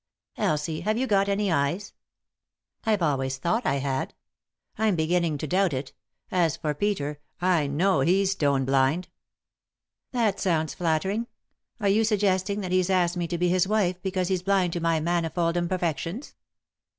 " Elsie, have you got any eyes ?" "I've always thought I had." " I'm beginning to doubt it As for Peter, I know he's stone blind." "That sounds flattering. Are you suggesting that he's asked me to be his wife because he's blind to my manifold imperfections